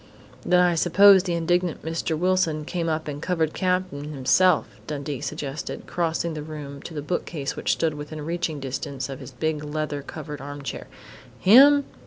"Then I suppose the indignant Mr. Wilson came up and covered Cap'n himself," Dundee suggested, crossing the room to the bookcase which stood within reaching distance of his big leather covered armchair. "Him?"